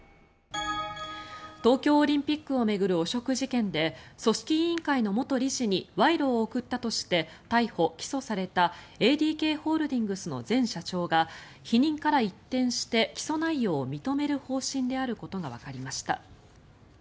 東京オリンピックを巡る汚職事件で組織委員会の元理事に賄賂を贈ったとして逮捕・起訴されたＡＤＫホールディングスの前社長が否認から一転して起訴内容を認める方針であることがわかりました。